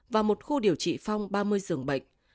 và một khu điều trị phong ba mươi giường bệnh